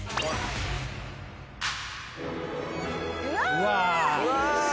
うわ！